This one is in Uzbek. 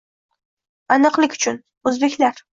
Aniqlik uchun: o'zbeklar